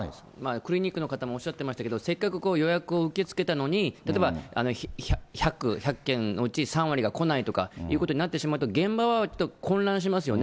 クリニックの方もおっしゃってましたけど、せっかく予約を受け付けたのに、例えば１００件のうち３割が来ないとかいうことになってしまうと、現場はわりと混乱しますよね。